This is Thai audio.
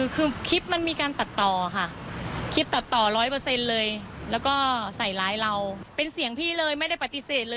ข้อมูลเล่ามาจากไหนรับบอกว่าคนมงนี้การรับเงินเรียกรับผลประโยชน์อะไรเหรอ